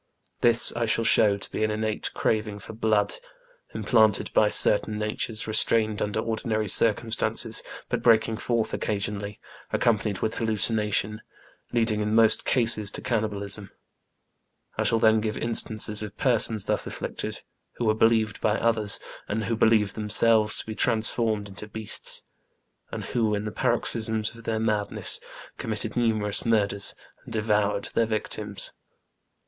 This I shall show to be an innate craving for blood implanted in certain natures, restrained under ordinary INTRODUCTORY. 7 circumstances, but breaking forth occasionally, accom panied with hallucination, leading in most cases to can nibalism. I shall then give instances of persons thus afflicted, who were believed by others, and who believed themselves, to be transformed into beasts, and who, in the paroxysms of their madness, committed numerous murders, and devoured their victims.